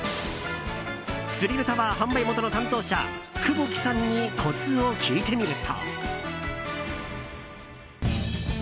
スリルタワー販売元の担当者久保木さんにコツを聞いてみると。